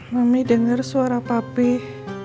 mami denger suara papih